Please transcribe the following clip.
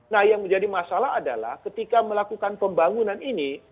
nah yang menjadi masalah adalah ketika melakukan pembangunan ini